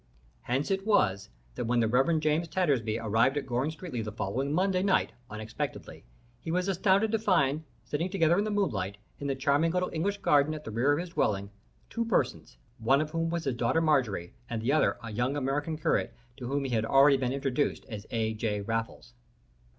Hence it was that, when the Reverend James Tattersby arrived at Goring Streatley the following Monday night, unexpectedly, he was astounded to find sitting together in the moonlight, in the charming little English garden at the rear of his dwelling, two persons, one of whom was his daughter Marjorie and the other a young American curate to whom he had already been introduced as A. J. Raffles.